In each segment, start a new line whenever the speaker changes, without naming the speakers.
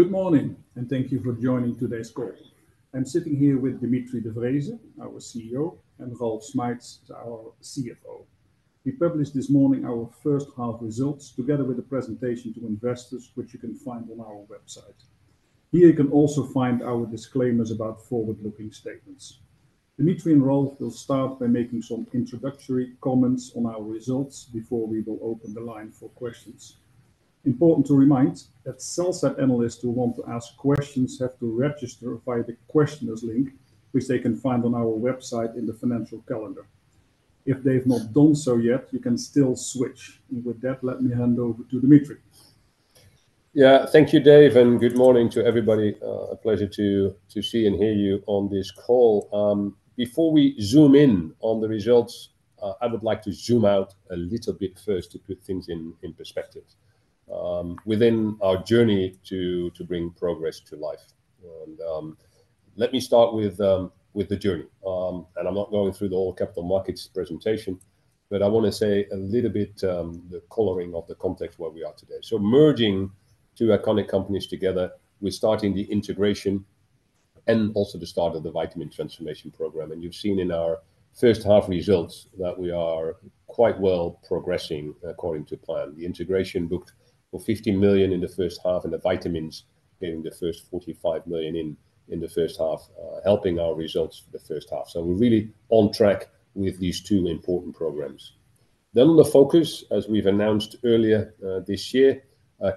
Good morning, and thank you for joining today's call. I'm sitting here with Dimitri de Vreeze, our CEO, and Ralf Schmeitz, our CFO. We published this morning our first half results together with a presentation to investors, which you can find on our website. Here you can also find our disclaimers about forward-looking statements. Dimitri and Ralf will start by making some introductory comments on our results before we will open the line for questions. Important to remind that sell-side analysts who want to ask questions have to register via the questioners link, which they can find on our website in the financial calendar. If they've not done so yet, you can still switch. With that, let me hand over to Dimitri.
Yeah, thank you, Dave, and good morning to everybody. A pleasure to see and hear you on this call. Before we zoom in on the results, I would like to zoom out a little bit first to put things in perspective within our journey to bring progress to life. And let me start with the journey. And I'm not going through the whole capital markets presentation, but I want to say a little bit the coloring of the context where we are today. So merging two iconic companies together, we're starting the integration and also the start of the Vitamin Transformation Program. And you've seen in our first half results that we are quite well progressing according to plan. The integration booked for 50 million in the first half, and the vitamins getting the first 45 million in the first half, helping our results for the first half. So we're really on track with these two important programs. Then the focus, as we've announced earlier this year,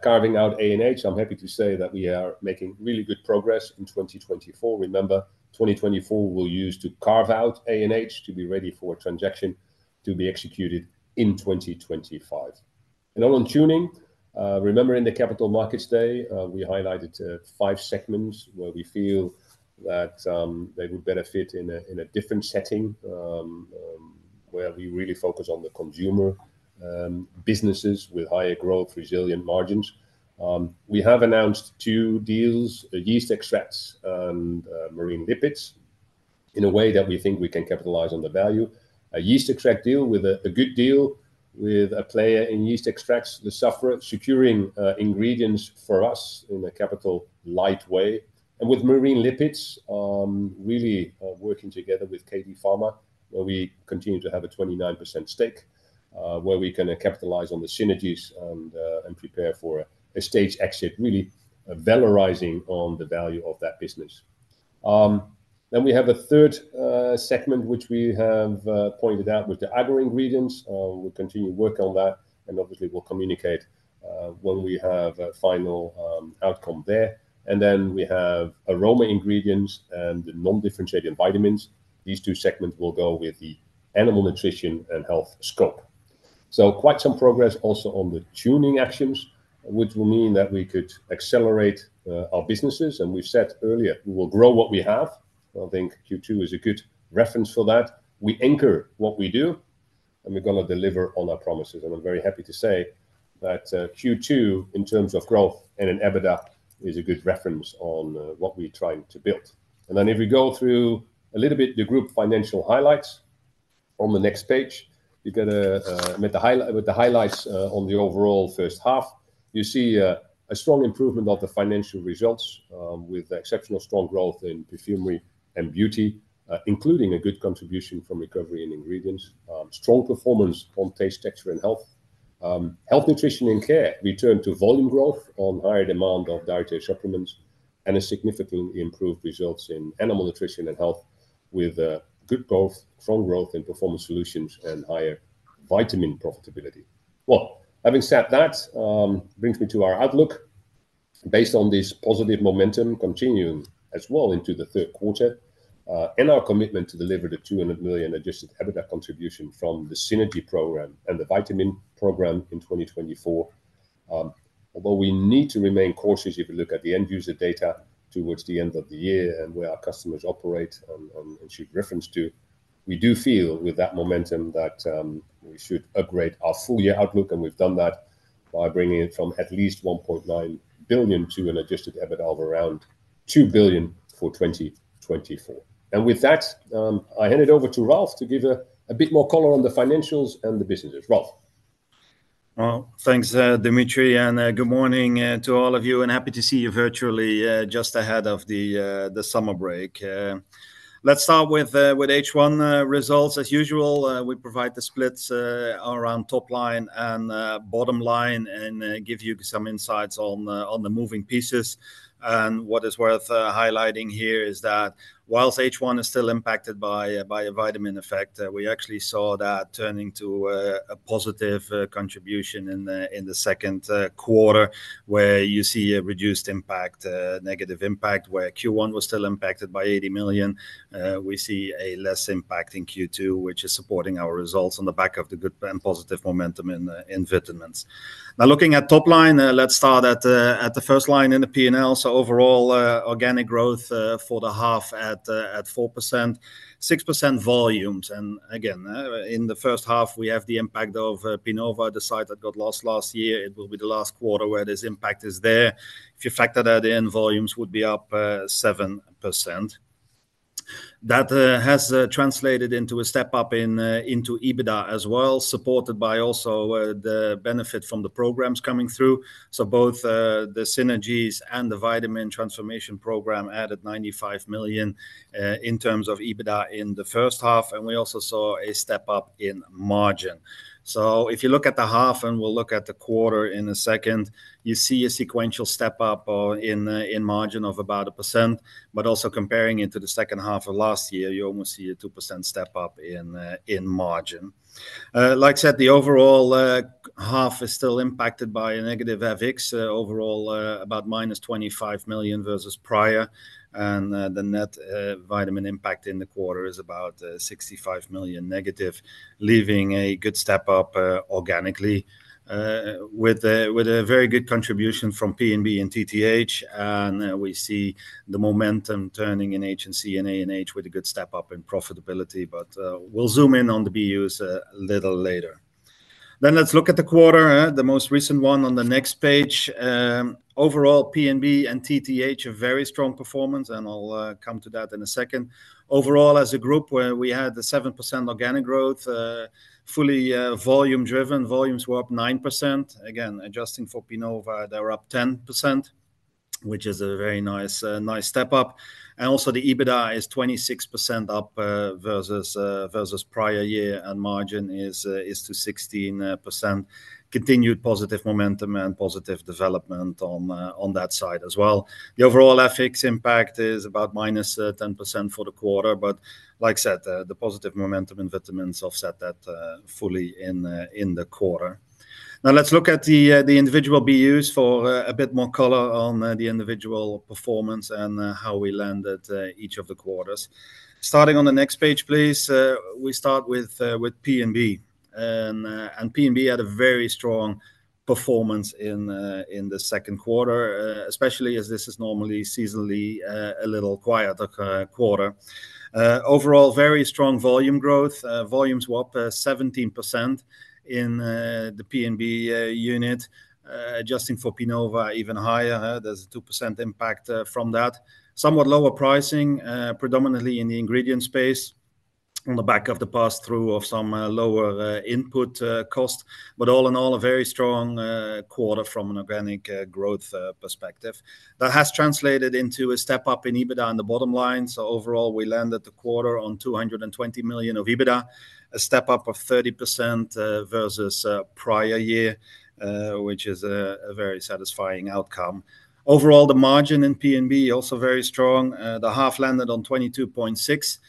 carving out ANH. I'm happy to say that we are making really good progress in 2024. Remember, 2024 will be used to carve out ANH to be ready for a transaction to be executed in 2025. And on divesting, remember in the Capital Markets Day, we highlighted five segments where we feel that they would better fit in a different setting where we really focus on the consumer businesses with higher growth, resilient margins. We have announced two deals, yeast extracts and marine lipids, in a way that we think we can capitalize on the value. A yeast extracts deal with a good deal with a player in yeast extracts, the supplier, securing ingredients for us in a capital-light way. With marine lipids, really working together with KD Pharma, where we continue to have a 29% stake, where we can capitalize on the synergies and prepare for a strategic exit, really valorizing the value of that business. Then we have a third segment, which we have pointed out with the Aroma Ingredients. We'll continue working on that, and obviously, we'll communicate when we have a final outcome there. And then we have Aroma Ingredients and non-differentiated vitamins. These two segments will go with the Animal Nutrition & Health scope. So quite some progress also on the tuning actions, which will mean that we could accelerate our businesses. And we've said earlier, we will grow what we have. I think Q2 is a good reference for that. We anchor what we do, and we're going to deliver on our promises. I'm very happy to say that Q2, in terms of growth and an EBITDA, is a good reference on what we're trying to build. Then if we go through a little bit the group financial highlights on the next page, you get with the highlights on the overall first half, you see a strong improvement of the financial results with exceptional strong growth in Perfumery & Beauty, including a good contribution from recovery and Ingredients, strong performance on Taste, Texture & Health, Health, Nutrition & Care, return to volume growth on higher demand of dietary supplements, and a significantly improved results in Animal Nutrition & Health with good growth, strong growth in Performance Solutions, and higher vitamin profitability. Well, having said that, brings me to our outlook based on this positive momentum continuing as well into the third quarter and our commitment to deliver the 200 million Adjusted EBITDA contribution from the Synergy Program and the vitamin program in 2024. Although we need to remain cautious if we look at the end user data towards the end of the year and where our customers operate and should reference to, we do feel with that momentum that we should upgrade our full year outlook, and we've done that by bringing it from at least 1.9 billion to an Adjusted EBITDA of around 2 billion for 2024. And with that, I hand it over to Ralf to give a bit more color on the financials and the businesses. Ralf.
Well, thanks, Dimitri, and good morning to all of you, and happy to see you virtually just ahead of the summer break. Let's start with H1 results. As usual, we provide the splits around top line and bottom line and give you some insights on the moving pieces. What is worth highlighting here is that while H1 is still impacted by a vitamin effect, we actually saw that turning to a positive contribution in the second quarter, where you see a reduced impact, negative impact, where Q1 was still impacted by 80 million. We see a less impact in Q2, which is supporting our results on the back of the good and positive momentum in vitamins. Now, looking at top line, let's start at the first line in the P&L. So overall organic growth for the half at 4%, 6% volumes. Again, in the first half, we have the impact of Pinova, the site that got lost last year. It will be the last quarter where this impact is there. If you factor that in, volumes would be up 7%. That has translated into a step up into EBITDA as well, supported by also the benefit from the programs coming through. So both the synergies and the Vitamin Transformation Program added 95 million in terms of EBITDA in the first half, and we also saw a step up in margin. So if you look at the half and we'll look at the quarter in a second, you see a sequential step up in margin of about 1%, but also comparing it to the second half of last year, you almost see a 2% step up in margin. Like I said, the overall half is still impacted by a negative FX overall, about -25 million versus prior. The net vitamin impact in the quarter is about 65 million negative, leaving a good step up organically with a very good contribution from P&B and TTH. We see the momentum turning in HNC and ANH with a good step up in profitability, but we'll zoom in on the BUs a little later. Let's look at the quarter, the most recent one on the next page. Overall, P&B and TTH have very strong performance, and I'll come to that in a second. Overall, as a group, we had 7% organic growth, fully volume driven. Volumes were up 9%. Again, adjusting for Pinova, they're up 10%, which is a very nice step up. Also the EBITDA is 26% up versus prior year, and margin is to 16%. Continued positive momentum and positive development on that side as well. The overall FX impact is about -10% for the quarter, but like I said, the positive momentum in vitamins offset that fully in the quarter. Now, let's look at the individual BUs for a bit more color on the individual performance and how we landed each of the quarters. Starting on the next page, please, we start with P&B. P&B had a very strong performance in the second quarter, especially as this is normally seasonally a little quieter quarter. Overall, very strong volume growth. Volumes were up 17% in the P&B unit, adjusting for Pinova, even higher. There's a 2% impact from that. Somewhat lower pricing, predominantly in the ingredient space on the back of the pass-through of some lower input cost, but all in all, a very strong quarter from an organic growth perspective. That has translated into a step up in EBITDA in the bottom line. So overall, we landed the quarter on 220 million of EBITDA, a step up of 30% versus prior year, which is a very satisfying outcome. Overall, the margin in P&B also very strong. The half landed on 22.6% with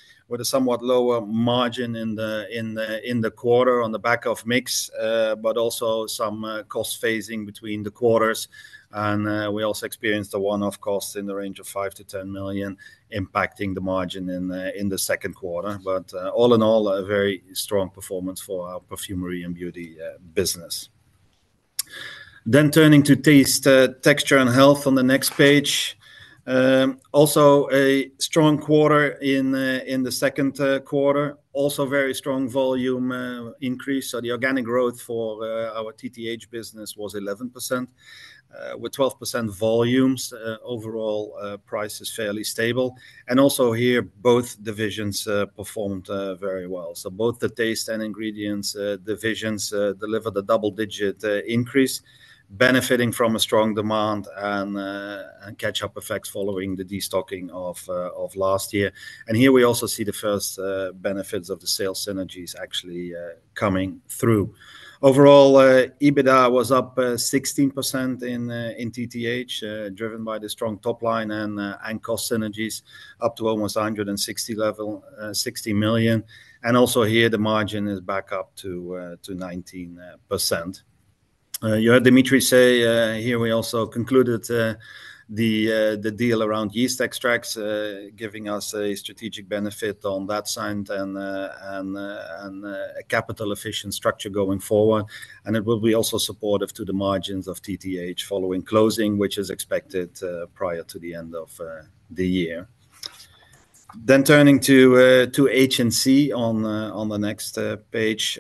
a somewhat lower margin in the quarter on the back of mix, but also some cost phasing between the quarters. And we also experienced a one-off cost in the range of 5 million-10 million impacting the margin in the second quarter. But all in all, a very strong performance for our Perfumery & Beauty business. Then turning to Taste, Texture & Health on the next page. A strong quarter in the second quarter. Very strong volume increase. So the organic growth for our TTH business was 11% with 12% volumes. Overall, price is fairly stable. And also here, both divisions performed very well. So both the Taste and Ingredients divisions delivered a double-digit increase, benefiting from a strong demand and catch-up effects following the destocking of last year. And here we also see the first benefits of the sales synergies actually coming through. Overall, EBITDA was up 16% in TTH, driven by the strong top line and cost synergies up to almost 160 level, 60 million. And also here, the margin is back up to 19%. You heard Dimitri say here we also concluded the deal around yeast extracts, giving us a strategic benefit on that side and a capital efficient structure going forward. It will be also supportive to the margins of TTH following closing, which is expected prior to the end of the year. Turning to HNC on the next page.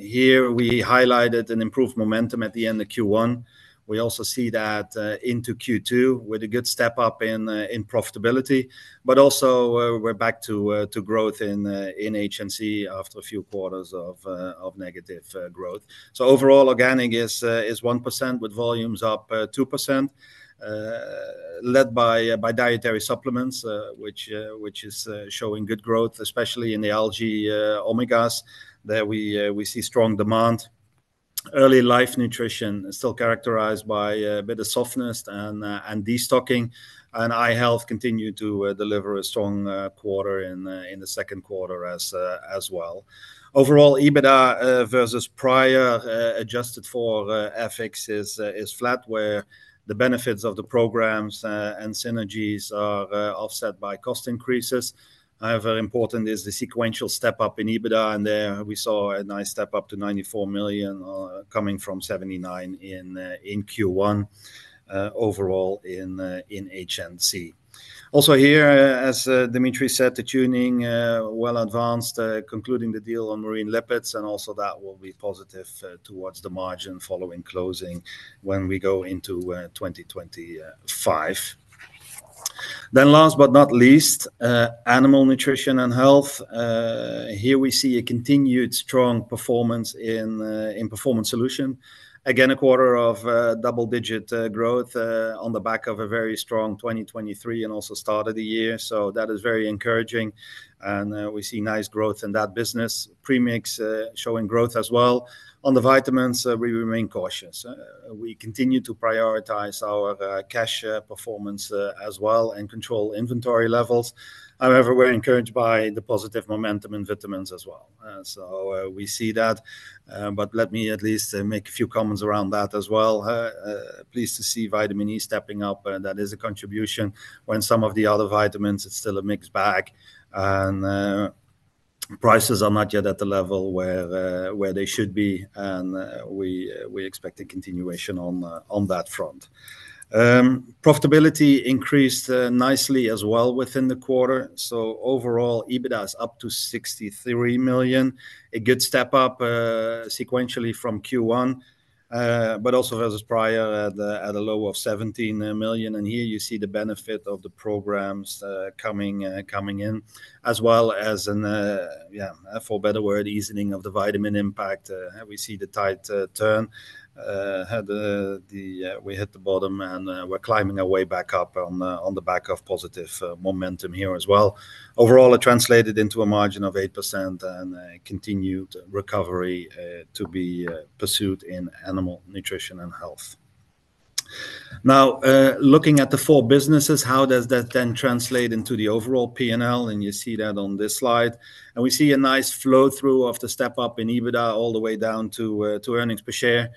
Here we highlighted an improved momentum at the end of Q1. We also see that into Q2 with a good step up in profitability, but also we're back to growth in HNC after a few quarters of negative growth. Overall, organic is 1% with volumes up 2%, led by dietary supplements, which is showing good growth, especially in the algae omegas. There we see strong demand. Early Life Nutrition is still characterized by a bit of softness and destocking. i-Health continued to deliver a strong quarter in the second quarter as well. Overall, EBITDA versus prior adjusted for FX is flat, where the benefits of the programs and synergies are offset by cost increases. However important is the sequential step up in EBITDA, and there we saw a nice step up to 94 million coming from 79 million in Q1 overall in HNC. Also here, as Dimitri said, the tuning well advanced, concluding the deal on marine lipids, and also that will be positive towards the margin following closing when we go into 2025. Then last but not least, Animal Nutrition & Health. Here we see a continued strong performance in Performance Solution. Again, a quarter of double-digit growth on the back of a very strong 2023 and also start of the year. So that is very encouraging. And we see nice growth in that business. Premix showing growth as well. On the vitamins, we remain cautious. We continue to prioritize our cash performance as well and control inventory levels. However, we're encouraged by the positive momentum in vitamins as well. So we see that, but let me at least make a few comments around that as well. Pleased to see Vitamin E stepping up. That is a contribution when some of the other vitamins, it's still a mixed bag. And prices are not yet at the level where they should be, and we expect a continuation on that front. Profitability increased nicely as well within the quarter. So overall, EBITDA is up to 63 million, a good step up sequentially from Q1, but also versus prior at a low of 17 million. And here you see the benefit of the programs coming in, as well as, yeah, for better word, easing of the vitamin impact. We see the tight turn. We hit the bottom and we're climbing our way back up on the back of positive momentum here as well. Overall, it translated into a margin of 8% and continued recovery to be pursued in Animal Nutrition & Health. Now, looking at the four businesses, how does that then translate into the overall P&L? You see that on this slide. We see a nice flow through of the step up in EBITDA all the way down to earnings per share.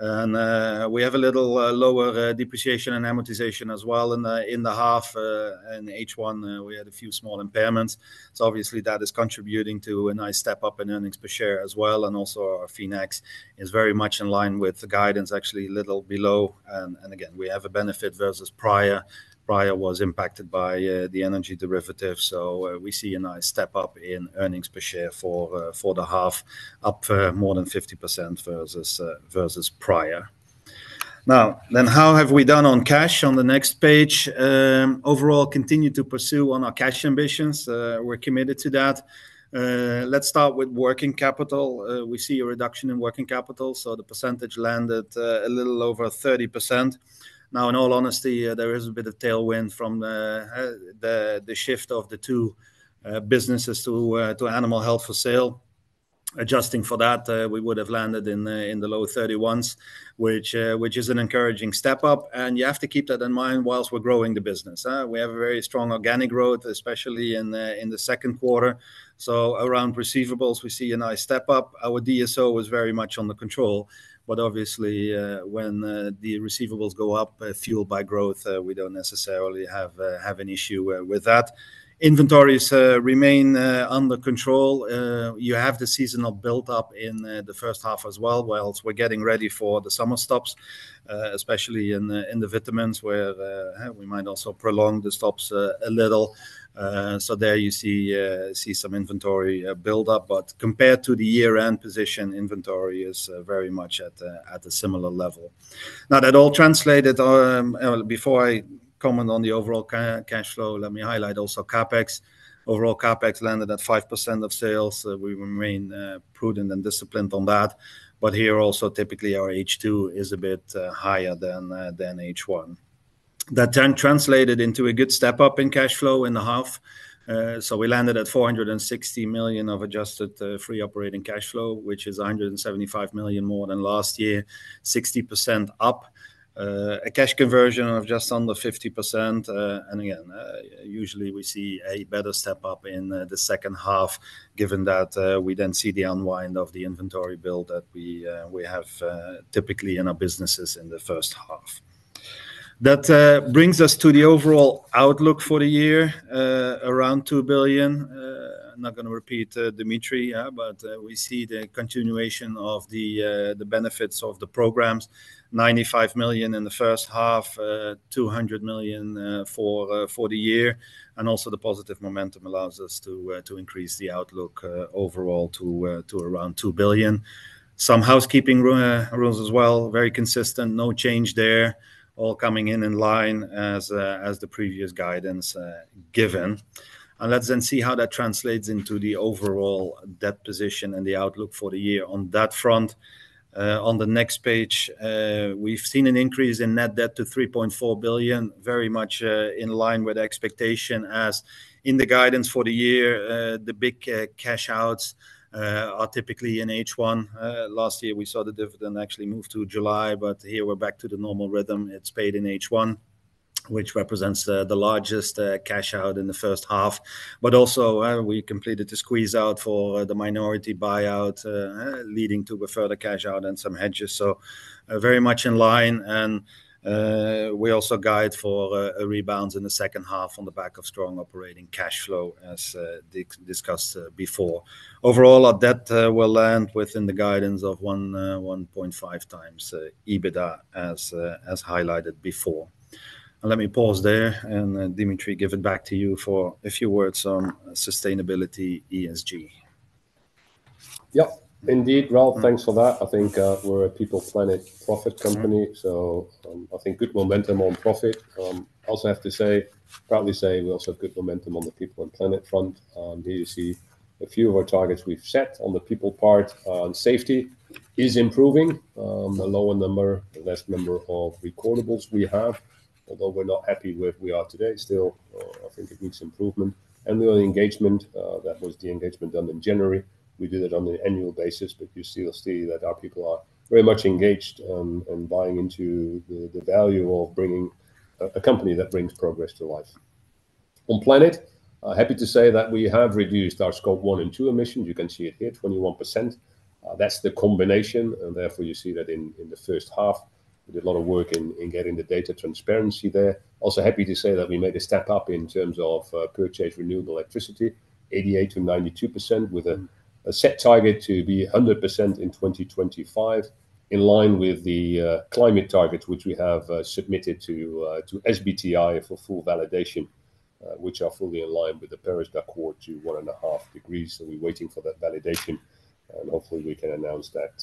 We have a little lower depreciation and amortization as well. In the half in H1, we had a few small impairments. So obviously, that is contributing to a nice step up in earnings per share as well. Also our FinEx is very much in line with the guidance, actually a little below. Again, we have a benefit versus prior. Prior was impacted by the energy derivative. So we see a nice step up in earnings per share for the half, up more than 50% versus prior. Now, then how have we done on cash on the next page? Overall, continue to pursue on our cash ambitions. We're committed to that. Let's start with working capital. We see a reduction in working capital. So the percentage landed a little over 30%. Now, in all honesty, there is a bit of tailwind from the shift of the two businesses to animal health for sale. Adjusting for that, we would have landed in the low 31s, which is an encouraging step up. And you have to keep that in mind whilst we're growing the business. We have a very strong organic growth, especially in the second quarter. So around receivables, we see a nice step up. Our DSO was very much under control, but obviously, when the receivables go up, fueled by growth, we don't necessarily have an issue with that. Inventories remain under control. You have the seasonal build-up in the first half as well, while we're getting ready for the summer stops, especially in the vitamins, where we might also prolong the stops a little. So there you see some inventory build-up, but compared to the year-end position, inventory is very much at a similar level. Now, that all translated. Before I comment on the overall cash flow, let me highlight also CapEx. Overall, CapEx landed at 5% of sales. We remain prudent and disciplined on that. But here also, typically, our H2 is a bit higher than H1. That translated into a good step up in cash flow in the half. So we landed at 460 million of adjusted free operating cash flow, which is 175 million more than last year, 60% up. A cash conversion of just under 50%. And again, usually we see a better step up in the second half, given that we then see the unwind of the inventory build that we have typically in our businesses in the first half. That brings us to the overall outlook for the year, around 2 billion. I'm not going to repeat Dimitri, but we see the continuation of the benefits of the programs, 95 million in the first half, 200 million for the year. And also the positive momentum allows us to increase the outlook overall to around 2 billion. Some housekeeping rules as well, very consistent, no change there, all coming in in line as the previous guidance given. Let's then see how that translates into the overall debt position and the outlook for the year on that front. On the next page, we've seen an increase in net debt to 3.4 billion, very much in line with expectation as in the guidance for the year, the big cash outs are typically in H1. Last year, we saw the dividend actually move to July, but here we're back to the normal rhythm. It's paid in H1, which represents the largest cash out in the first half. Also we completed the squeeze out for the minority buyout, leading to a further cash out and some hedges. Very much in line. We also guide for a rebound in the second half on the back of strong operating cash flow, as discussed before. Overall, our debt will land within the guidance of 1.5 times EBITDA, as highlighted before. And let me pause there and Dimitri, give it back to you for a few words on sustainability ESG.
Yep, indeed, Ralf, thanks for that. I think we're a people, planet, profit company. So I think good momentum on profit. I also have to say, proudly say we also have good momentum on the people and planet front. Here you see a few of our targets we've set on the people part. Safety is improving. The lower number, the less number of recordables we have, although we're not happy with where we are today still, I think it needs improvement. And the engagement, that was the engagement done in January. We did it on an annual basis, but you still see that our people are very much engaged and buying into the value of bringing a company that brings progress to life. I'm happy to say that we have reduced our Scope 1 and 2 emissions. You can see it here, 21%. That's the combination, and therefore you see that in the first half. We did a lot of work in getting the data transparency there. Also happy to say that we made a step up in terms of purchasing renewable electricity, 88%-92%, with a set target to be 100% in 2025, in line with the climate targets which we have submitted to SBTi for full validation, which are fully in line with the Paris Pathway to 1.5 degrees. So we're waiting for that validation, and hopefully we can announce that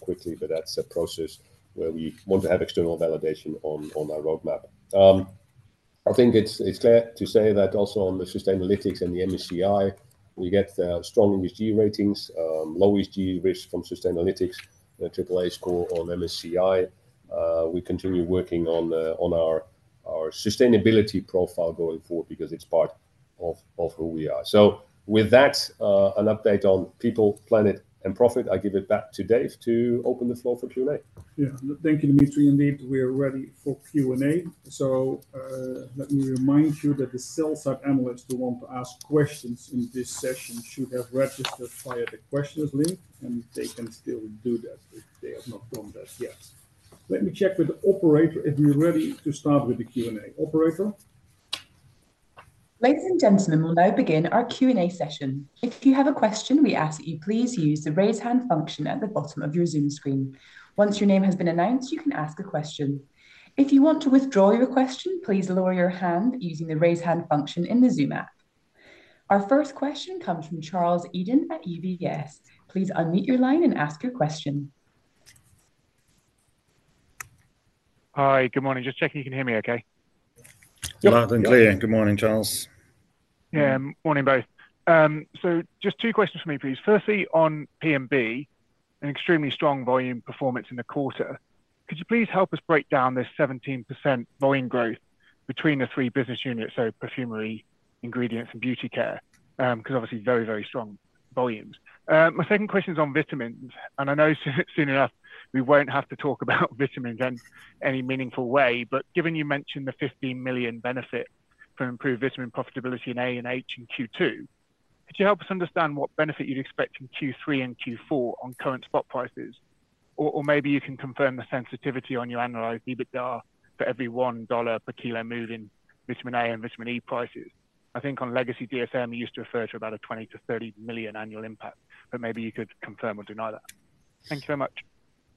quickly, but that's a process where we want to have external validation on our roadmap. I think it's fair to say that also on the sustainability and the MSCI, we get strong ESG ratings, low ESG risk from sustainability, AAA score on MSCI. We continue working on our sustainability profile going forward because it's part of who we are. So with that, an update on people, planet, and profit. I give it back to Dave to open the floor for Q&A.
Yeah, thank you, Dimitri. Indeed, we are ready for Q&A. So let me remind you that the sell-side analysts who want to ask questions in this session should have registered via the questions link, and they can still do that if they have not done that yet. Let me check with the operator if we're ready to start with the Q&A. Operator.
Ladies and gentlemen, we'll now begin our Q&A session. If you have a question, we ask that you please use the raise hand function at the bottom of your zoom screen. Once your name has been announced, you can ask a question. If you want to withdraw your question, please lower your hand using the raise hand function in the Zoom app. Our first question comes from Charles Eden at UBS. Please unmute your line and ask your question.
Hi, good morning. Just checking you can hear me, okay?
Yep, loud and clear. Good morning, Charles.
Yeah, morning both. So just two questions for me, please. Firstly, on P&B, an extremely strong volume performance in the quarter. Could you please help us break down this 17% volume growth between the three business units, so Perfumery, Ingredients, and Beauty Care? Because obviously very, very strong volumes. My second question is on vitamins. And I know soon enough we won't have to talk about vitamins in any meaningful way, but given you mentioned the 15 million benefit from improved vitamin profitability in ANH and Q2, could you help us understand what benefit you'd expect in Q3 and Q4 on current spot prices? Or maybe you can confirm the sensitivity on your analyst EBITDA for every $1 per kilo moving Vitamin A and Vitamin E prices. I think on legacy DSM, you used to refer to about a 20 million-30 million annual impact, but maybe you could confirm or deny that. Thank you very much.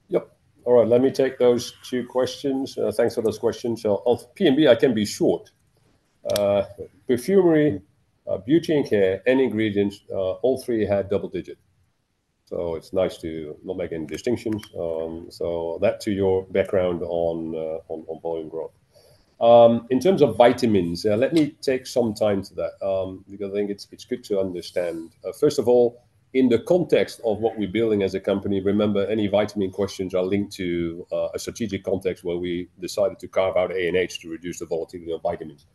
Yep, all right. Let me take those two questions. Thanks for those questions. So P&B, I can be short. Perfumery, Beauty & Care, and Ingredients, all three had double digits. So that to your background on volume growth. In terms of vitamins, let me take some time to that because I think it's good to understand. First of all, in the context of what we're building as a company, remember any vitamin questions are linked to a strategic context where we decided to carve out ANH to reduce the volatility of vitamins.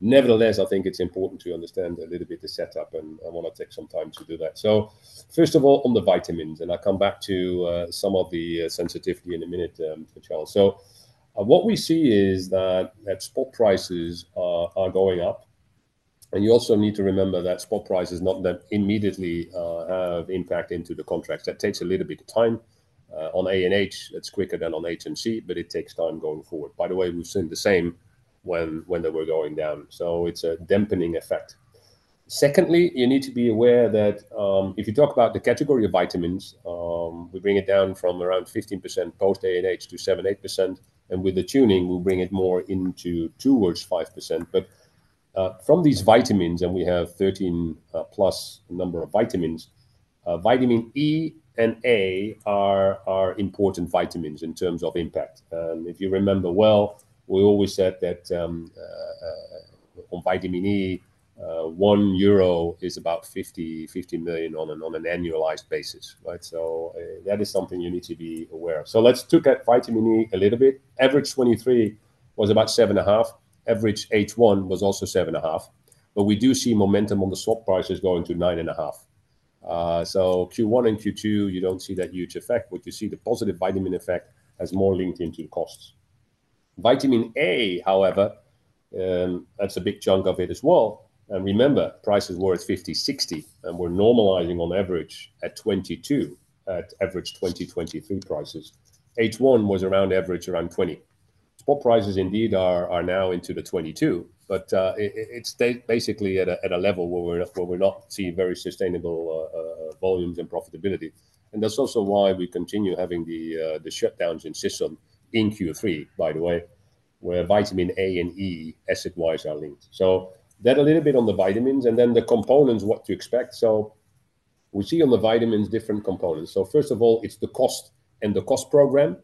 Nevertheless, I think it's important to understand a little bit the setup, and I want to take some time to do that. So first of all, on the vitamins, and I'll come back to some of the sensitivity in a minute for Charles. So what we see is that spot prices are going up. And you also need to remember that spot prices not immediately have impact into the contracts. That takes a little bit of time. On ANH, it's quicker than on HNC, but it takes time going forward. By the way, we've seen the same when they were going down. So it's a dampening effect. Secondly, you need to be aware that if you talk about the category of vitamins, we bring it down from around 15% post ANH to 7%-8%. And with the tuning, we bring it more into towards 5%. But from these vitamins, and we have 13+ number of vitamins, Vitamin E and Vitamin A are important vitamins in terms of impact. And if you remember well, we always said that on Vitamin E, 1 euro is about 50 million on an annualized basis, right? So that is something you need to be aware of. So let's look at Vitamin E a little bit. Average 2023 was about 7.5. Average H1 was also 7.5. But we do see momentum on the swap prices going to 9.5. So Q1 and Q2, you don't see that huge effect. What you see, the positive vitamin effect has more linked into the costs. Vitamin A, however, that's a big chunk of it as well. And remember, prices were at 50, 60, and we're normalizing on average at 22 at average 2023 prices. H1 was around average around 20. Spot prices indeed are now into the 22, but it's basically at a level where we're not seeing very sustainable volumes and profitability. And that's also why we continue having the shutdowns in system in Q3, by the way, where Vitamin A and E asset-wise are linked. So that a little bit on the vitamins, and then the components, what to expect. So we see on the vitamins different components. So first of all, it's the cost and the cost program,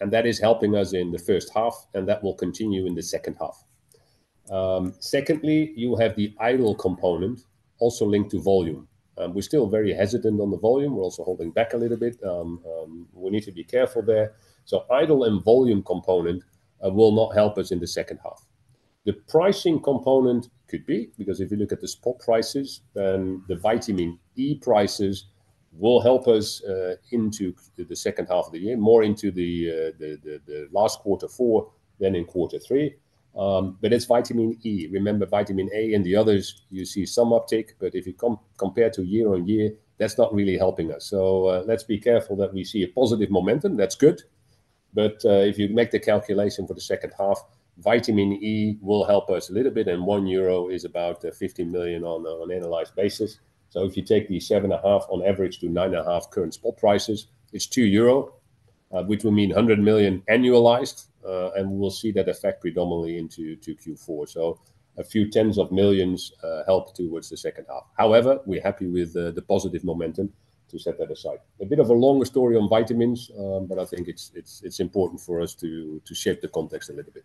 and that is helping us in the first half, and that will continue in the second half. Secondly, you have the idle component, also linked to volume. We're still very hesitant on the volume. We're also holding back a little bit. We need to be careful there. So idle and volume component will not help us in the second half. The pricing component could be because if you look at the spot prices, then the Vitamin E prices will help us into the second half of the year, more into the last quarter four than in quarter three. But it's Vitamin E. Remember Vitamin A and the others, you see some uptake, but if you compare to year-on-year, that's not really helping us. So let's be careful that we see a positive momentum. That's good. But if you make the calculation for the second half, Vitamin E will help us a little bit, and 1 euro is about 15 million on an annualized basis. So if you take the 7.5-9.5 current spot prices, it's 2 euro, which will mean 100 million annualized, and we'll see that effect predominantly into Q4. So a few tens of millions help towards the second half. However, we're happy with the positive momentum to set that aside. A bit of a longer story on vitamins, but I think it's important for us to shape the context a little bit.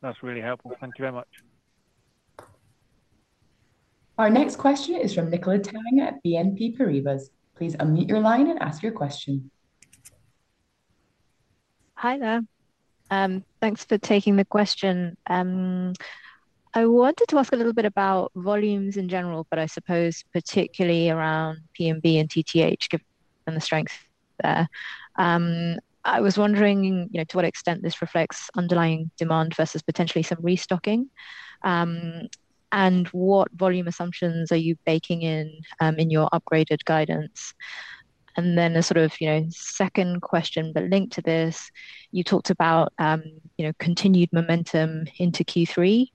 That's really helpful. Thank you very much.
Our next question is from Nicola Tang at BNP Paribas. Please unmute your line and ask your question.
Hi there. Thanks for taking the question. I wanted to ask a little bit about volumes in general, but I suppose particularly around P&B and TTH and the strength there. I was wondering to what extent this reflects underlying demand versus potentially some restocking, and what volume assumptions are you baking in your upgraded guidance? And then a sort of second question but linked to this, you talked about continued momentum into Q3.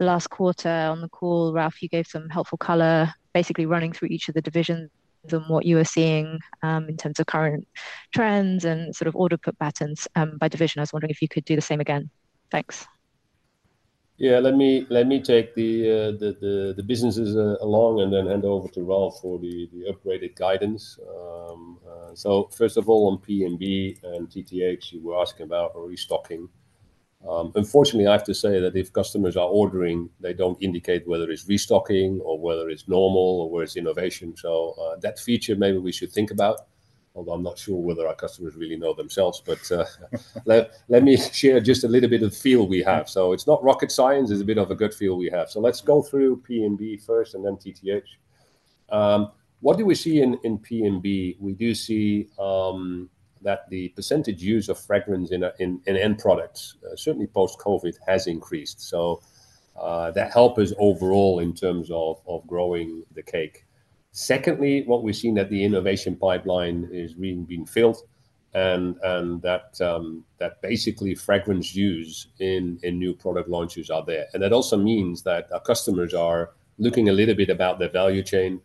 Last quarter on the call, Ralf, you gave some helpful color, basically running through each of the divisions and what you were seeing in terms of current trends and sort of order put patterns by division. I was wondering if you could do the same again. Thanks.
Yeah, let me take the businesses along and then hand over to Ralf for the upgraded guidance. So first of all, on P&B and TTH, you were asking about restocking. Unfortunately, I have to say that if customers are ordering, they don't indicate whether it's restocking or whether it's normal or whether it's innovation. So that feature maybe we should think about, although I'm not sure whether our customers really know themselves. But let me share just a little bit of feel we have. So it's not rocket science. It's a bit of a good feel we have. So let's go through P&B first and then TTH. What do we see in P&B? We do see that the percentage use of fragrance in end products, certainly post-COVID, has increased. So that helps us overall in terms of growing the cake. Secondly, what we've seen that the innovation pipeline is being filled and that basically fragrance use in new product launches are there. And that also means that our customers are looking a little bit about their value chain.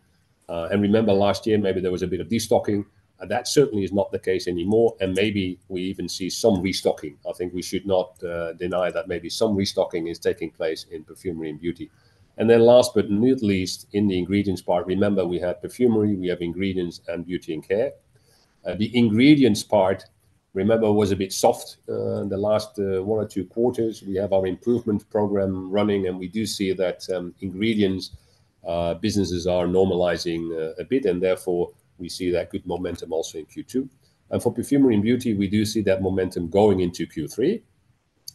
And remember last year, maybe there was a bit of destocking. That certainly is not the case anymore. And maybe we even see some restocking. I think we should not deny that maybe some restocking is taking place in Perfumery & Beauty. And then last but not least, in the Ingredients part, remember we have Perfumery, we have Ingredients, and Beauty & Care. The Ingredients part, remember, was a bit soft in the last one or two quarters. We have our improvement program running, and we do see that Ingredients businesses are normalizing a bit, and therefore we see that good momentum also in Q2. And for Perfumery & Beauty, we do see that momentum going into Q3.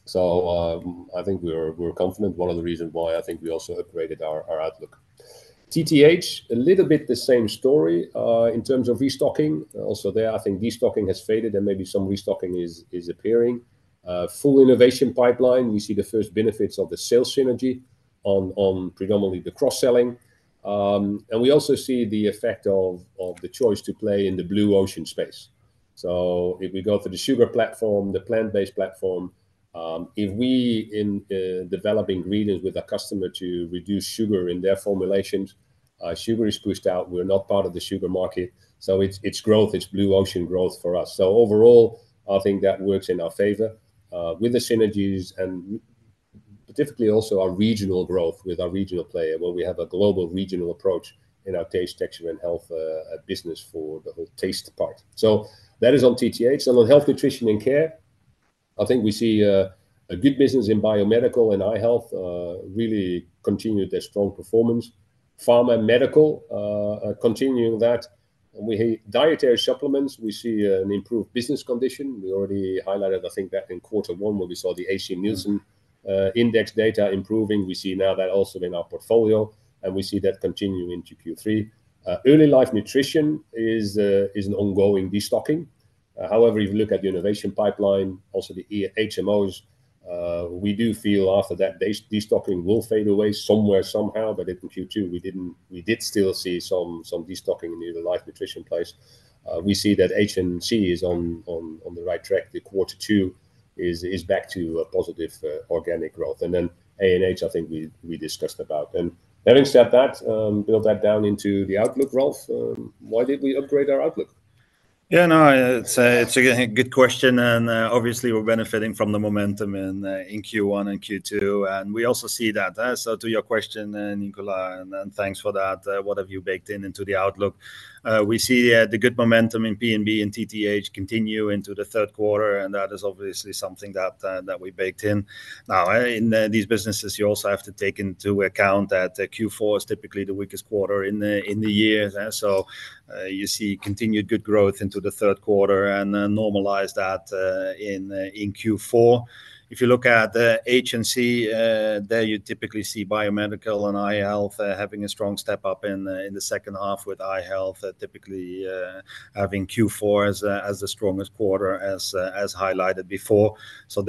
So I think we're confident. One of the reasons why I think we also upgraded our outlook. TTH, a little bit the same story in terms of restocking. Also there, I think destocking has faded and maybe some restocking is appearing. Full innovation pipeline, we see the first benefits of the sales synergy on predominantly the cross-selling. And we also see the effect of the choice to play in the blue ocean space. So if we go to the sugar platform, the plant-based platform, if we develop Ingredients with our customer to reduce sugar in their formulations, sugar is pushed out. We're not part of the sugar market. So it's growth, it's blue ocean growth for us. So overall, I think that works in our favor with the synergies and particularly also our regional growth with our regional player where we have a global regional approach in our Taste, Texture & Health business for the whole taste part. So that is on TTH. On Health, Nutrition & Care, I think we see a good business in Biomedical and i-Health really continue their strong performance. Pharma and Medical continuing that. We have dietary supplements. We see an improved business condition. We already highlighted, I think, that in quarter one where we saw the AC Nielsen index data improving. We see now that also in our portfolio, and we see that continue into Q3. Early Life Nutrition is an ongoing destocking. However, if you look at the innovation pipeline, also the HMOs, we do feel after that destocking will fade away somewhere somehow, but in Q2, we did still see some destocking in the Early Life Nutrition space. We see that HNC is on the right track. Quarter two is back to positive organic growth. And then ANH, I think we discussed about. And having said that, build that down into the outlook, Ralf. Why did we upgrade our outlook?
Yeah, no, it's a good question. And obviously, we're benefiting from the momentum in Q1 and Q2. And we also see that. So to your question, Nicola, and thanks for that. What have you baked into the outlook? We see the good momentum in P&B and TTH continue into the third quarter, and that is obviously something that we baked in. Now, in these businesses, you also have to take into account that Q4 is typically the weakest quarter in the year. So you see continued good growth into the third quarter and normalize that in Q4. If you look at HNC, there you typically see biomedical and i-Health having a strong step up in the second half with i-Health, typically having Q4 as the strongest quarter, as highlighted before. So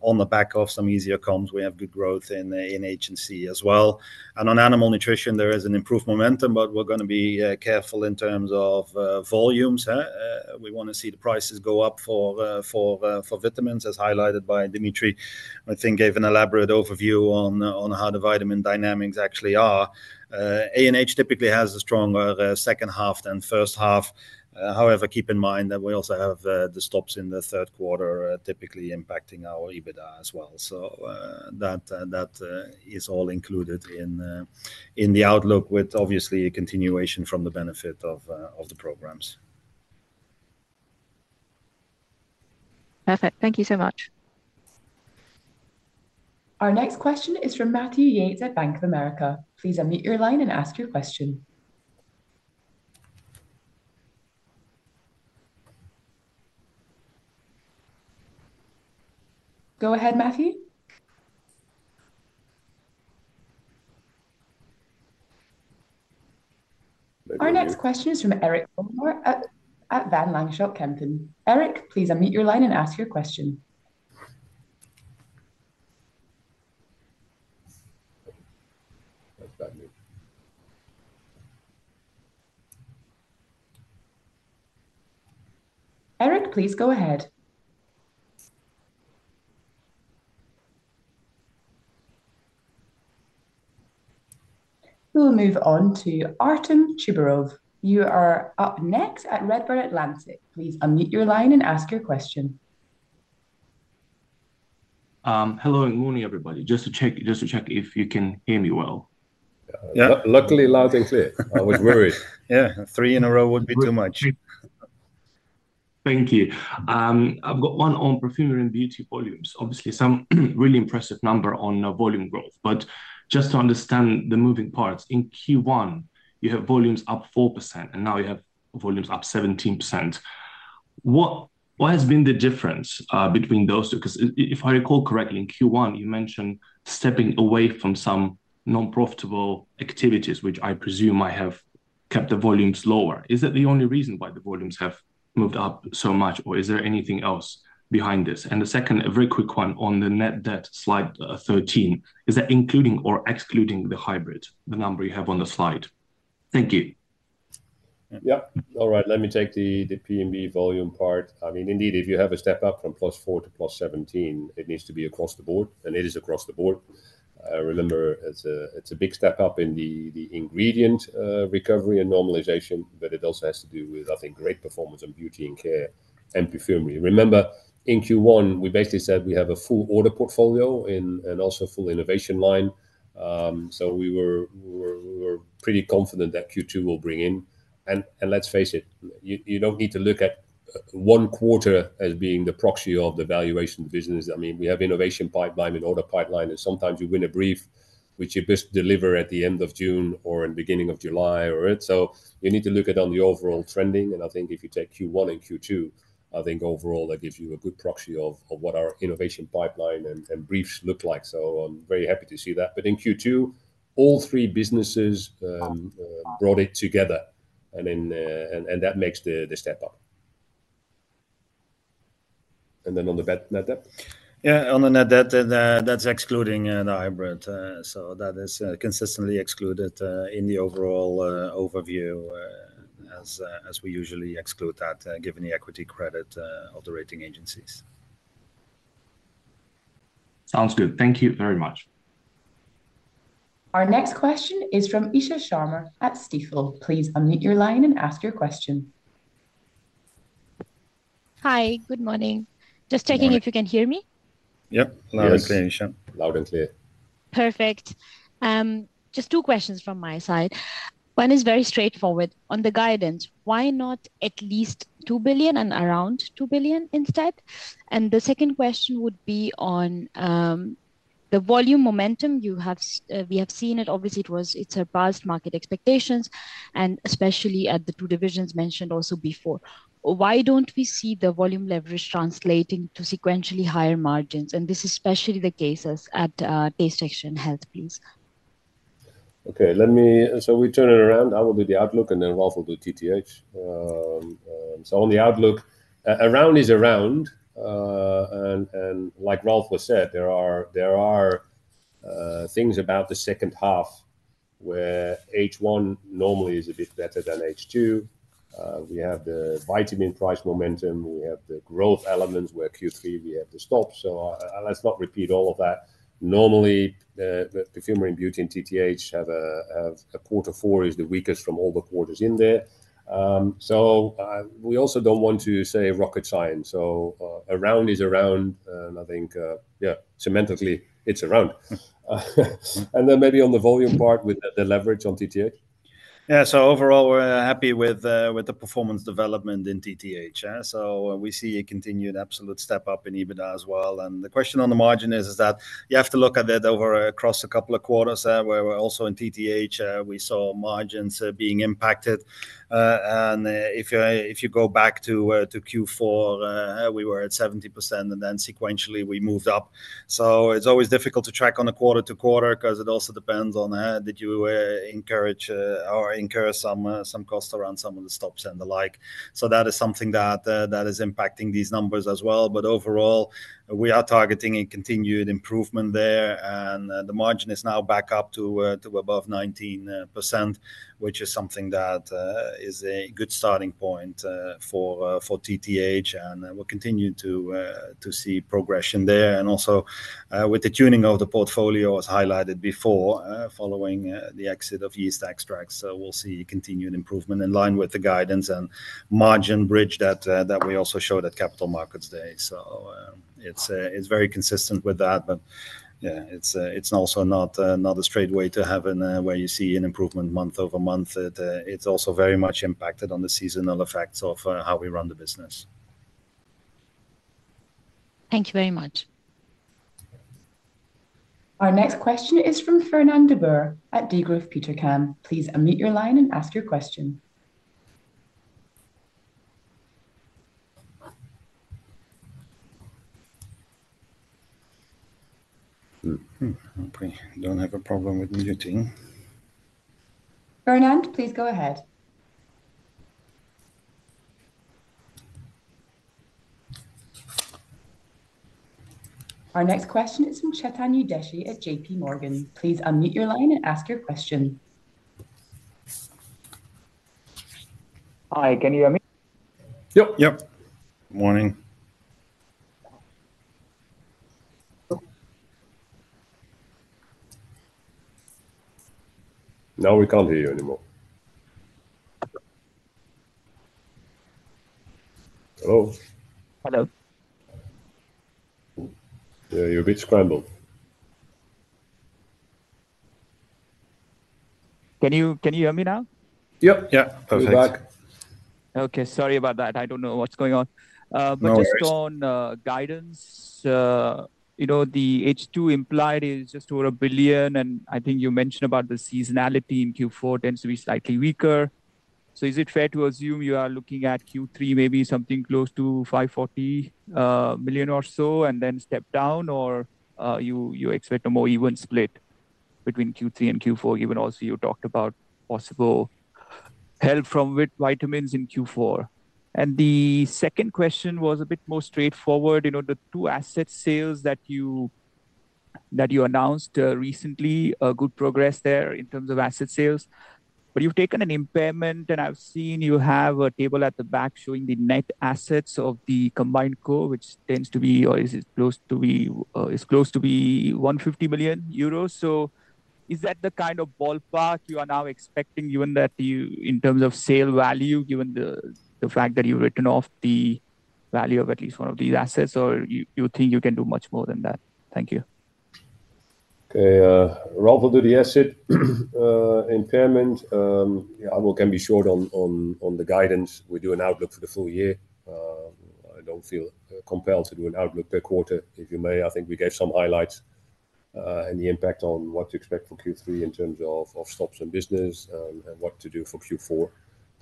on the back of some easier comps, we have good growth in HNC as well. On animal nutrition, there is an improved momentum, but we're going to be careful in terms of volumes. We want to see the prices go up for vitamins, as highlighted by Dimitri. I think gave an elaborate overview on how the vitamin dynamics actually are. ANH typically has a stronger second half than first half. However, keep in mind that we also have the stops in the third quarter typically impacting our EBITDA as well. So that is all included in the outlook with obviously a continuation from the benefit of the programs. Perfect.
Thank you so much.
Our next question is from Matthew Yates at Bank of America. Please unmute your line and ask your question. Go ahead, Matthew. Our next question is from Erik Houwelingen at Van Lanschot Kempen. Erik, please unmute your line and ask your question. Erik, please go ahead. We'll move on to Artem Chubarov. You are up next at Redburn Atlantic. Please unmute your line and ask your question.
Hello, good morning, everybody. Just to check if you can hear me well.
Loud and clear. I was worried. Yeah, three in a row would be too much.
Thank you. I've got one on Perfumery & Beauty volumes. Obviously, some really impressive number on volume growth. But just to understand the moving parts, in Q1, you have volumes up 4%, and now you have volumes up 17%. What has been the difference between those two? Because if I recall correctly, in Q1, you mentioned stepping away from some non-profitable activities, which I presume might have kept the volumes lower. Is that the only reason why the volumes have moved up so much, or is there anything else behind this? And the second, a very quick one on the net debt Slide 13, is that including or excluding the hybrid, the number you have on the slide? Thank you.
Yep. All right. Let me take the P&B volume part. I mean, indeed, if you have a step up from +4 to +17, it needs to be across the board, and it is across the board. Remember, it's a big step up in the ingredient recovery and normalization, but it also has to do with, I think, great performance and Beauty & Care and Perfumery. Remember, in Q1, we basically said we have a full order portfolio and also full innovation line. So we were pretty confident that Q2 will bring in. And let's face it, you don't need to look at one quarter as being the proxy of the valuation divisions. I mean, we have innovation pipeline and order pipeline, and sometimes you win a brief, which you best deliver at the end of June or in the beginning of July or it. So you need to look at on the overall trending. And I think if you take Q1 and Q2, I think overall that gives you a good proxy of what our innovation pipeline and briefs look like. So I'm very happy to see that. But in Q2, all three businesses brought it together, and that makes the step up. And then on the net debt?
Yeah, on the net debt, that's excluding the hybrid. So that is consistently excluded in the overall overview as we usually exclude that given the equity credit of the rating agencies.
Sounds good. Thank you very much.
Our next question is from Isha Sharma at Stifel. Please unmute your line and ask your question.
Hi, good morning. Just checking if you can hear me.
Yep. Loud and clear, Isha. Loud and clear.
Perfect. Just two questions from my side. One is very straightforward. On the guidance, why not at least 2 billion and around 2 billion instead? And the second question would be on the volume momentum you have. We have seen it. Obviously, it surpassed market expectations, and especially at the two divisions mentioned also before. Why don't we see the volume leverage translating to sequentially higher margins? And this is especially the case at Taste, Texture & Health, please.
Okay. So we turn it around. I will do the outlook, and then Ralf will do TTH. So on the outlook, around is around. And like Ralf was said, there are things about the second half where H1 normally is a bit better than H2. We have the vitamin price momentum. We have the growth elements where Q3 we have to stop. So let's not repeat all of that. Normally, the Perfumery & Beauty and TTH have a quarter four is the weakest from all the quarters in there. So we also don't want to say rocket science. So around is around, and I think, yeah, semantically, it's around. And then maybe on the volume part with the leverage on TTH.
Yeah. So overall, we're happy with the performance development in TTH. So we see a continued absolute step up in EBITDA as well. And the question on the margin is that you have to look at it across a couple of quarters where we're also in TTH, we saw margins being impacted. And if you go back to Q4, we were at 70%, and then sequentially we moved up. So it's always difficult to track on a quarter-to-quarter because it also depends on did you encourage or incur some cost around some of the stops and the like. So that is something that is impacting these numbers as well. But overall, we are targeting a continued improvement there, and the margin is now back up to above 19%, which is something that is a good starting point for TTH. And we'll continue to see progression there. And also with the tuning of the portfolio as highlighted before following the exit of yeast extracts. So we'll see continued improvement in line with the guidance and margin bridge that we also showed at Capital Markets Day. So it's very consistent with that. But yeah, it's also not a straight way to have where you see an improvement month-over-month. It's also very much impacted on the seasonal effects of how we run the business.
Thank you very much.
Our next question is from Fernand de Boer at Degroof Petercam. Please unmute your line and ask your question.
I don't have a problem with muting.
Fernand, please go ahead. Our next question is from Chetan Udeshi at JPMorgan. Please unmute your line and ask your question.
Hi, can you hear me?
Yep. Yep. Morning. Now we can't hear you anymore. Hello.
Hello.
Yeah, you're a bit scrambled.
Can you hear me now?
Yep. Yeah. Perfect. You're back.
Okay. Sorry about that. I don't know what's going on. But just on guidance, the H2 implied is just over 1 billion, and I think you mentioned about the seasonality in Q4 tends to be slightly weaker. So is it fair to assume you are looking at Q3 maybe something close to 540 million or so and then step down, or you expect a more even split between Q3 and Q4, given also you talked about possible help from vitamins in Q4? And the second question was a bit more straightforward. The two asset sales that you announced recently, good progress there in terms of asset sales. But you've taken an impairment, and I've seen you have a table at the back showing the net assets of the combined core, which tends to be or is close to 150 million euros. So is that the kind of ballpark you are now expecting, given that in terms of sale value, given the fact that you've written off the value of at least one of these assets, or you think you can do much more than that? Thank you.
Okay. Ralf will do the asset impairment. I can be short on the guidance. We do an outlook for the full year. I don't feel compelled to do an outlook per quarter, if you may. I think we gave some highlights and the impact on what to expect for Q3 in terms of stops and business and what to do for Q4.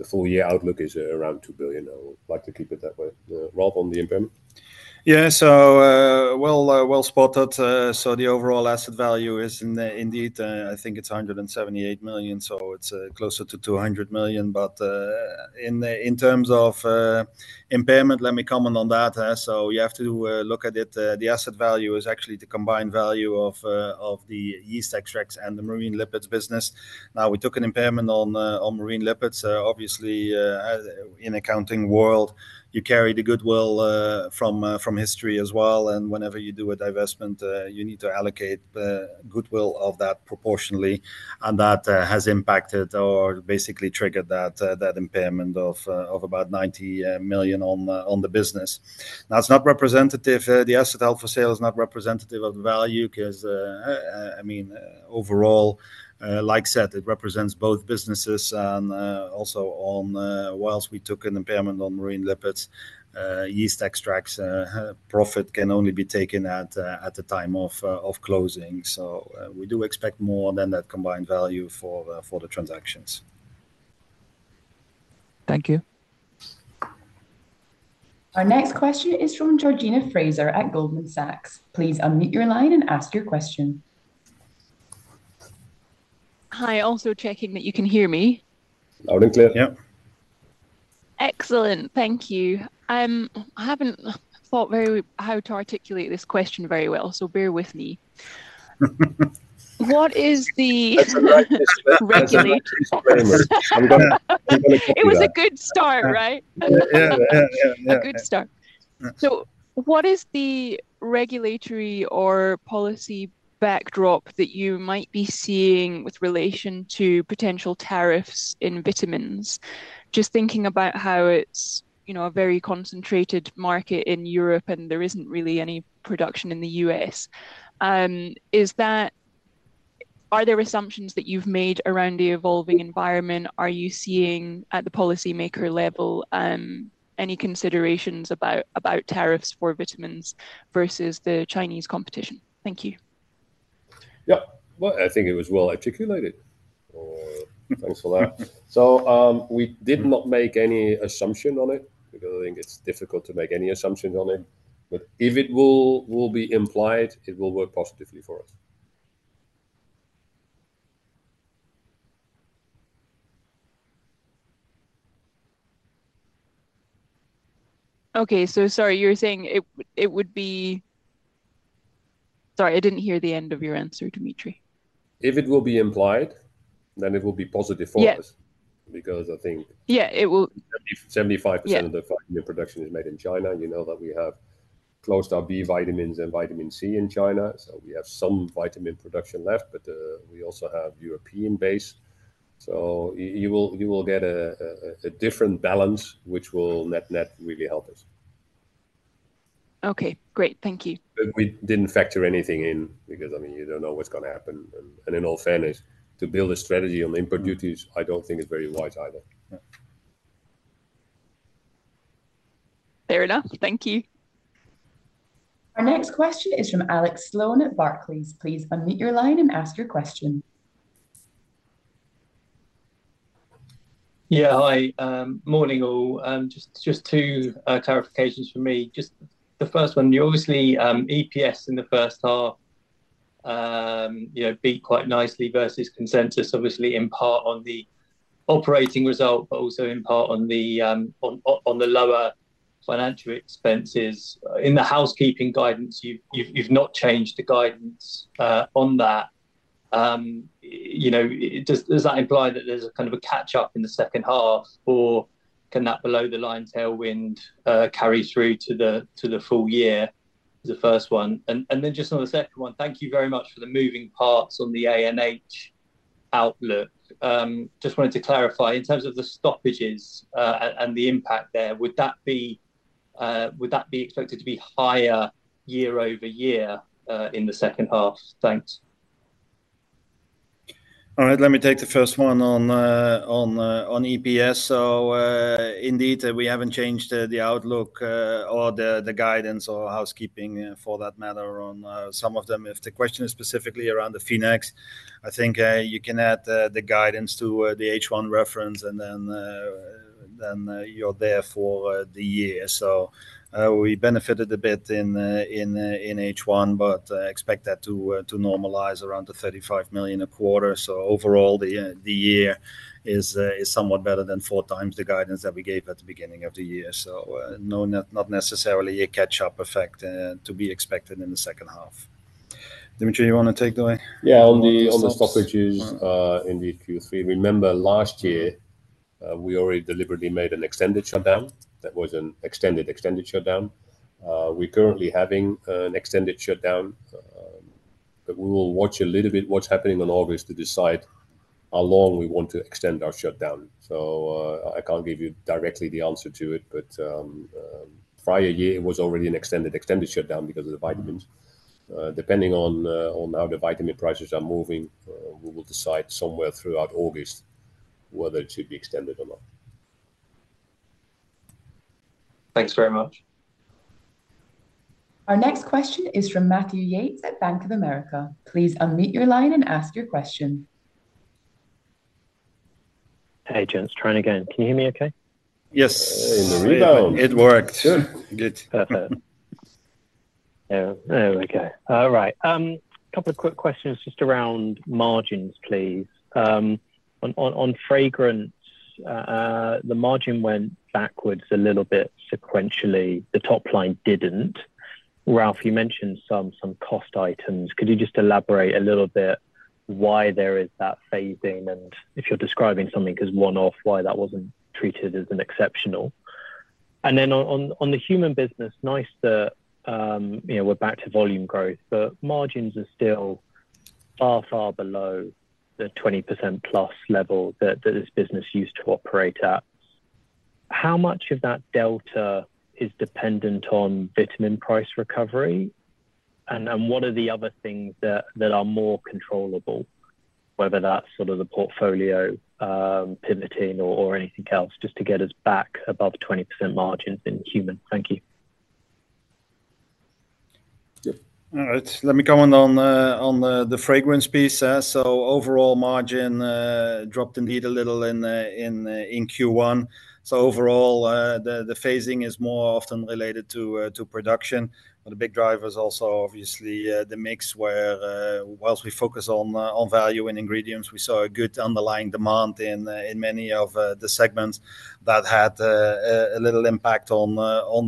The full year outlook is around 2 billion. I would like to keep it that way. Ralf on the impairment?
Yeah. So well spotted. So the overall asset value is indeed, I think it's 178 million. So it's closer to 200 million. But in terms of impairment, let me comment on that. So you have to look at it. The asset value is actually the combined value of the yeast extracts and the marine lipids business. Now, we took an impairment on marine lipids. Obviously, in accounting world, you carry the goodwill from history as well. And whenever you do a divestment, you need to allocate goodwill of that proportionally. That has impacted or basically triggered that impairment of about 90 million on the business. That's not representative. The asset held for sale is not representative of the value because, I mean, overall, like I said, it represents both businesses. And also while we took an impairment on marine lipids, yeast extracts profit can only be taken at the time of closing. So we do expect more than that combined value for the transactions.
Thank you.
Our next question is from Georgina Fraser at Goldman Sachs. Please unmute your line and ask your question.
Hi. Also checking that you can hear me.
Loud and clear. Yep.
Excellent. Thank you. I haven't thought very how to articulate this question very well, so bear with me. What is the regulatory? It was a good start, right?
Yeah. Yeah. Yeah. Yeah.
Good start. So what is the regulatory or policy backdrop that you might be seeing with relation to potential tariffs in vitamins? Just thinking about how it's a very concentrated market in Europe and there isn't really any production in the U.S., are there assumptions that you've made around the evolving environment? Are you seeing at the policymaker level any considerations about tariffs for vitamins versus the Chinese competition? Thank you.
Yep. Well, I think it was well articulated. Thanks for that. So we did not make any assumption on it because I think it's difficult to make any assumptions on it. But if it will be implied, it will work positively for us.
Okay. So sorry, you're saying it would be sorry, I didn't hear the end of your answer, Dimitri.
If it will be implied, then it will be positive for us. Because I think 75% of the five-year production is made in China. You know that we have closed our B vitamins and Vitamin C in China. So we have some vitamin production left, but we also have European base. So you will get a different balance, which will net really help us.
Okay. Great. Thank you.
We didn't factor anything in because, I mean, you don't know what's going to happen. And in all fairness, to build a strategy on import duties, I don't think it's very wise either.
Fair enough. Thank you.
Our next question is from Alex Sloane at Barclays. Please unmute your line and ask your question.
Yeah. Hi. Morning, all. Just two clarifications for me. Just the first one, obviously, EPS in the first half beat quite nicely versus consensus, obviously, in part on the operating result, but also in part on the lower financial expenses. In the housekeeping guidance, you've not changed the guidance on that. Does that imply that there's a kind of a catch-up in the second half, or can that below-the-line tailwind carry through to the full year? The first one. And then just on the second one, thank you very much for the moving parts on the ANH outlook. Just wanted to clarify in terms of the stoppages and the impact there, would that be expected to be higher year-over-year in the second half? Thanks.
All right. Let me take the first one on EPS. So indeed, we haven't changed the outlook or the guidance or housekeeping for that matter on some of them. If the question is specifically around the FINEX, I think you can add the guidance to the H1 reference, and then you're there for the year. So we benefited a bit in H1, but expect that to normalize around the 35 million a quarter. So overall, the year is somewhat better than four times the guidance that we gave at the beginning of the year. So not necessarily a catch-up effect to be expected in the second half. Dimitri, you want to take the way?
Yeah. On the stoppages in the Q3, remember last year, we already deliberately made an extended shutdown. That was an extended extended shutdown. We're currently having an extended shutdown, but we will watch a little bit what's happening in August to decide how long we want to extend our shutdown. So I can't give you directly the answer to it, but prior year, it was already an extended extended shutdown because of the vitamins. Depending on how the vitamin prices are moving, we will decide somewhere throughout August whether it should be extended or not.
Thanks very much.
Our next question is from Matthew Yates at Bank of America. Please unmute your line and ask your question.
Hey, gents. Trying again. Can you hear me okay?
Yes. In the rebound. It worked. Good. Yeah.
Okay. All right. A couple of quick questions just around margins, please. On fragrance, the margin went backwards a little bit sequentially. The top line didn't. Ralf, you mentioned some cost items. Could you just elaborate a little bit why there is that phasing and if you're describing something as one-off, why that wasn't treated as an exceptional? And then on the human business, nice that we're back to volume growth, but margins are still far, far below the 20%+ level that this business used to operate at. How much of that delta is dependent on vitamin price recovery? And what are the other things that are more controllable? Whether that's sort of the portfolio pivoting or anything else just to get us back above 20% margins in human. Thank you.
All right. Let me comment on the fragrance piece. So overall margin dropped indeed a little in Q1. So overall, the phasing is more often related to production. But the big driver is also obviously the mix where while we focus on value and Ingredients, we saw a good underlying demand in many of the segments that had a little impact on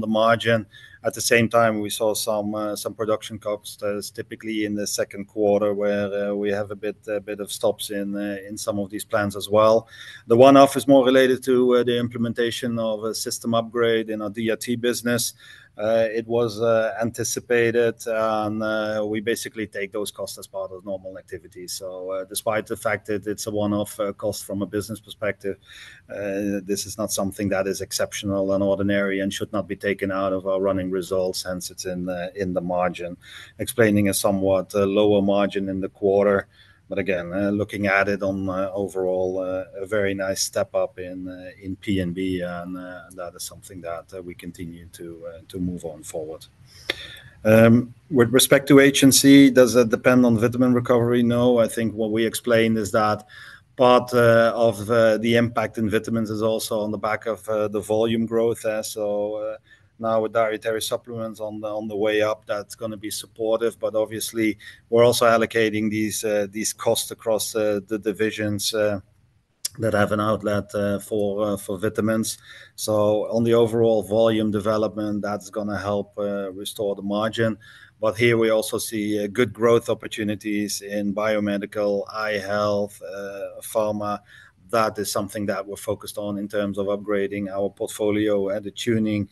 the margin. At the same time, we saw some production cuts typically in the second quarter where we have a bit of stops in some of these plants as well. The one-off is more related to the implementation of a system upgrade in our DRT business. It was anticipated, and we basically take those costs as part of normal activities. So despite the fact that it's a one-off cost from a business perspective, this is not something that is exceptional and ordinary and should not be taken out of our running results since it's in the margin, explaining a somewhat lower margin in the quarter. But again, looking at it overall, a very nice step up in P&B, and that is something that we continue to move on forward. With respect to HNC, does it depend on vitamin recovery? No. I think what we explained is that part of the impact in vitamins is also on the back of the volume growth. So now with dietary supplements on the way up, that's going to be supportive. But obviously, we're also allocating these costs across the divisions that have an outlet for vitamins. So on the overall volume development, that's going to help restore the margin. But here we also see good growth opportunities in Biomedical, i-Health, Pharma. That is something that we're focused on in terms of upgrading our portfolio, and the tuning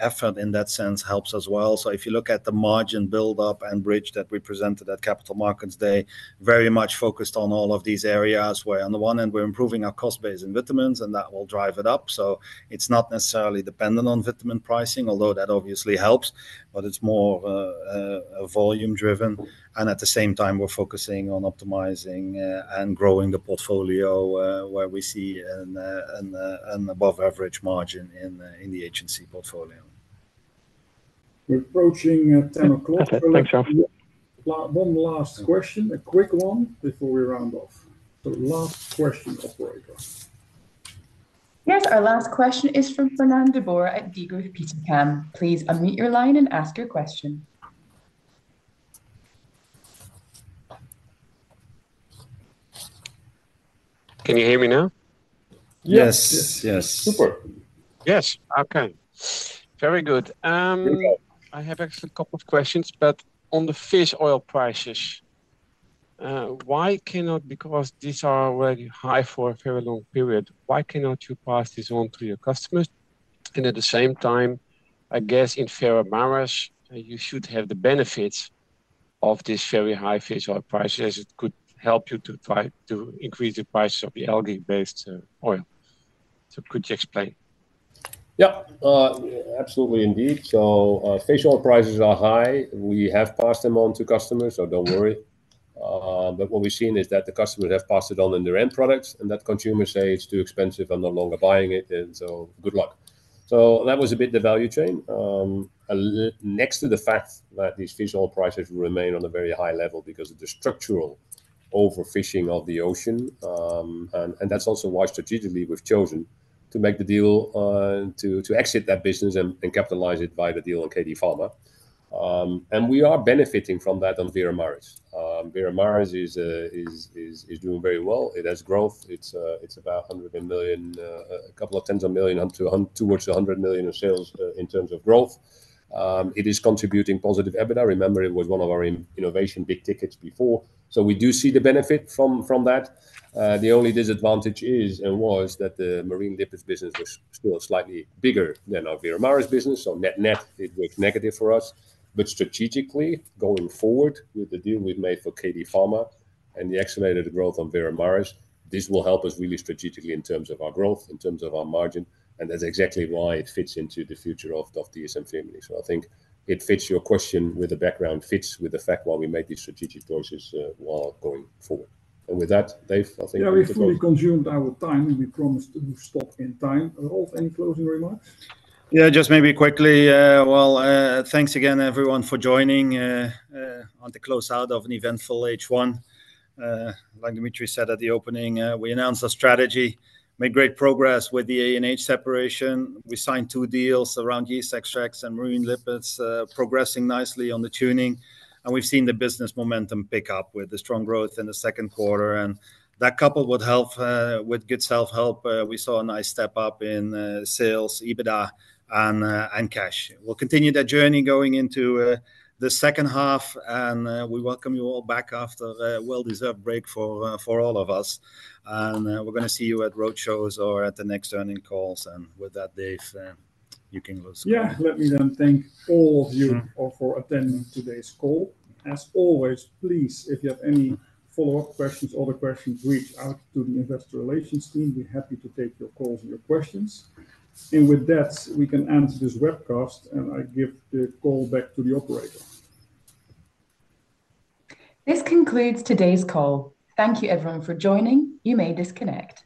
effort in that sense helps as well. So if you look at the margin buildup and bridge that we presented at Capital Markets Day, very much focused on all of these areas where on the one end, we're improving our cost base in vitamins, and that will drive it up. So it's not necessarily dependent on vitamin pricing, although that obviously helps, but it's more volume-driven. And at the same time, we're focusing on optimizing and growing the portfolio where we see an above-average margin in the HNC portfolio.
We're approaching 10:00 A.M. Thanks, Ralf. One last question, a quick one before we round off. Last question, operator.
Yes. Our last question is from Fernand de Boer at Degroof Petercam. Please unmute your line and ask your question.
Can you hear me now?
Yes. Yes. Yes. Super.
Yes. Okay. Very good. I have actually a couple of questions, but on the fish oil prices, why cannot because these are already high for a very long period, why cannot you pass this on to your customers? And at the same time, I guess in Veramaris, you should have the benefits of these very high fish oil prices. It could help you to try to increase the price of the algae-based oil. So could you explain?
Yep. Absolutely. Indeed. So fish oil prices are high. We have passed them on to customers, so don't worry. But what we've seen is that the customers have passed it on in their end products, and that consumers say it's too expensive. I'm no longer buying it. And so good luck. So that was a bit the value chain. Next to the fact that these fish oil prices will remain on a very high level because of the structural overfishing of the ocean. And that's also why strategically we've chosen to make the deal to exit that business and capitalize it via the deal on KD Pharma. And we are benefiting from that on Veramaris. Veramaris is doing very well. It has growth. It's about 100 million, a couple of tens of million towards 100 million in sales in terms of growth. It is contributing positive EBITDA. Remember, it was one of our innovation big tickets before. So we do see the benefit from that. The only disadvantage is and was that the marine lipids business was still slightly bigger than our Veramaris business. So net net, it was negative for us. But strategically, going forward with the deal we've made for KD Pharma and the accelerated growth on Veramaris, this will help us really strategically in terms of our growth, in terms of our margin. And that's exactly why it fits into the future of DSM-Firmenich. So I think it fits your question with the background, fits with the fact why we made these strategic choices while going forward. And with that, Dave, I think we're good.
Yeah. We've fully consumed our time. We promised to stop in time. Ralf, any closing remarks?
Yeah. Just maybe quickly, well, thanks again, everyone, for joining on the closeout of an eventful H1. Like Dimitri said at the opening, we announced our strategy, made great progress with the ANH separation. We signed two deals around yeast extracts and marine lipids, progressing nicely on the tuning. We've seen the business momentum pick up with the strong growth in the second quarter. And that coupled with good self-help, we saw a nice step up in sales, EBITDA, and cash. We'll continue that journey going into the second half, and we welcome you all back after a well-deserved break for all of us. We're going to see you at roadshows or at the next earnings calls. And with that, Dave, you can close.
Yeah. Let me then thank all of you for attending today's call. As always, please, if you have any follow-up questions, other questions, reach out to the investor relations team. We're happy to take your calls and your questions. With that, we can end this webcast, and I give the call back to the operator.
This concludes today's call. Thank you, everyone, for joining. You may disconnect.